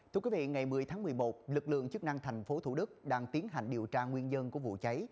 thưa quý vị ngày một mươi tháng một mươi một lực lượng chức năng tp thủ đức đang tiến hành điều tra nguyên dân của vụ cháy